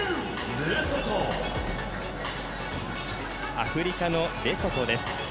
アフリカのレソトです。